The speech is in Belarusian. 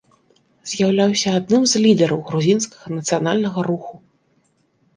З'яўляўся адным з лідараў грузінскага нацыянальнага руху.